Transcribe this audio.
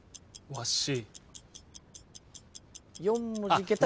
わし。